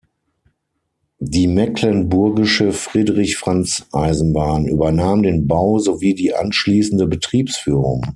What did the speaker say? Die mecklenburgische Friedrich-Franz-Eisenbahn übernahm den Bau sowie die anschließende Betriebsführung.